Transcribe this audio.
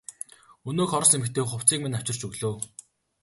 Өнөөх орос эмэгтэй хувцсыг минь авчирч өглөө.